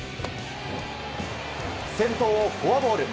先頭をフォアボール。